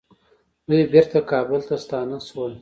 دوی بیرته کابل ته ستانه شول.